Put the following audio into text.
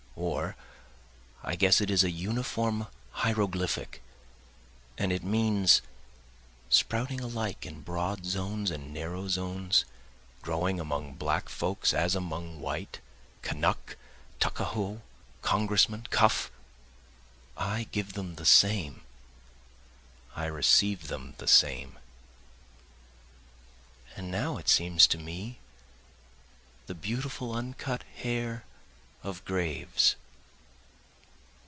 Or I guess it is a uniform hieroglyphic, And it means, Sprouting alike in broad zones and narrow zones, Growing among black folks as among white, Kanuck, Tuckahoe, Congressman, Cuff, I give them the same, I receive them the same. And now it seems to me the beautiful uncut hair of graves.